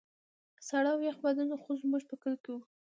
ساړه او يخ بادونه خو زموږ په کلي کې وو.